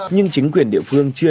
nhưng chính quyền địa phương chưa